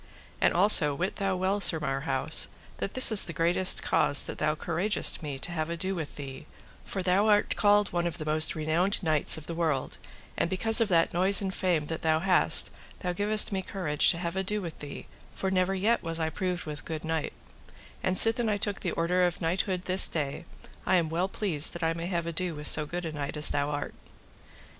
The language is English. And also wit thou well, Sir Marhaus, that this is the greatest cause that thou couragest me to have ado with thee, for thou art called one of the most renowned knights of the world, and because of that noise and fame that thou hast thou givest me courage to have ado with thee, for never yet was I proved with good knight; and sithen I took the order of knighthood this day, I am well pleased that I may have ado with so good a knight as thou art.